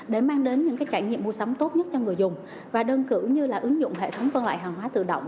để mang đến những trải nghiệm mua sắm tốt nhất cho người dùng và đơn cử như là ứng dụng hệ thống phân loại hàng hóa tự động